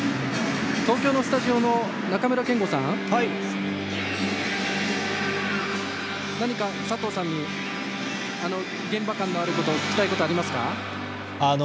東京の中村憲剛さん何か佐藤さんに現場感のあることで聞きたいことはありますか？